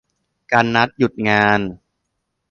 การนัดหยุดงาน